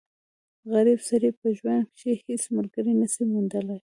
غریب سړی په ژوند کښي هيڅ ملګری نه سي موندلای.